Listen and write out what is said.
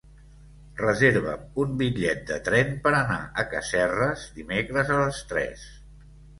Reserva'm un bitllet de tren per anar a Casserres dimecres a les tres.